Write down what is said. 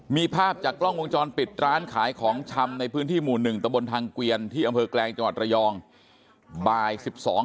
มีภาพจากกล้องวงจรปิดร้านขายของชำในพื้นที่หมู่๑ตะบนทางเกวียนที่อำเภอแกลงจังหวัดระยองบ่าย๑๒